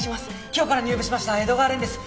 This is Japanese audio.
今日から入部しました江戸川蓮です。